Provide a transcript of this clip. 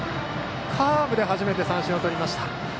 カーブで初めて三振をとりました。